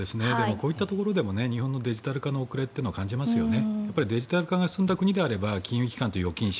こういったところでも日本のデジタル化の遅れを感じますね。